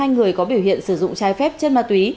một mươi hai người có biểu hiện sử dụng chai phép chất ma túy